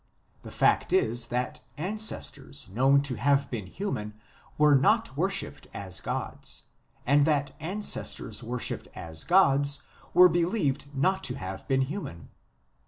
... The fact is that ancestors known to have been human were not worshipped as gods, and that ancestors worshipped as gods were believed not to have been human.